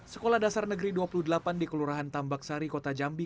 sekolah dasar negeri dua puluh delapan di kelurahan tambak sari kota jambi